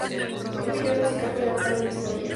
Un video musical fue lanzado el mismo día.